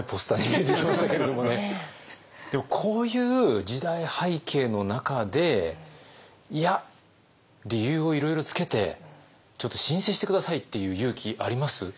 でもこういう時代背景の中でいや理由をいろいろつけてちょっと「申請してください」って言う勇気あります？